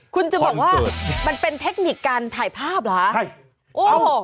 คุณจะบอกว่ามันเป็นเทคนิคการถ่ายภาพเหรอใช่โอ้โห